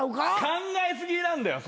考え過ぎなんだよ